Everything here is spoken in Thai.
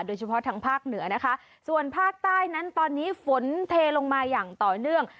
โดยเฉพาะทางภาคเหนือนะคะส่วนภาคใต้นั้นตอนนี้ฝนเทลงมาอย่างต่อเนื่อง